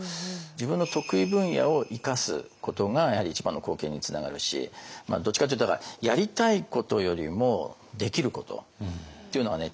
自分の得意分野を生かすことがやはり一番の貢献につながるしどっちかっていうとだからやりたいことよりもできることっていうのはね